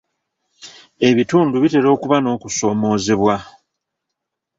Ebitundu bitera okuba n'okusoomoozebwa.